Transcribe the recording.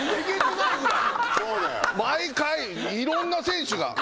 毎回いろんな選手が。